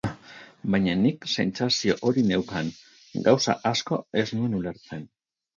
Baina nik sentsazio hori neukan, gauza asko ez nuen ulertzen.